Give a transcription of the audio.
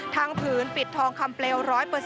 ผืนปิดทองคำเปลว๑๐๐